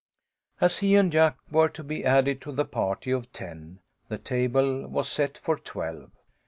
As he and Jack were to be added to the party of ten, the table was set for twelve.